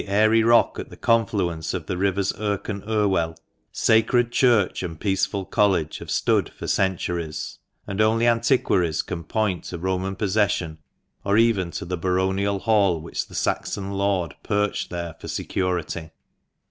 airy rock at the confluence of the rivers Irk and Irvvell, sacred church and peaceful college have stood for centuries, and only antiquaries can point to Roman possession, or even to the baronial hall which the Saxon lord perched there for security.